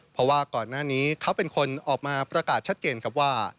เพราะว่าก่อนหน้านี้เขาเป็นคนออกมาประกาศชัดเจนครับว่า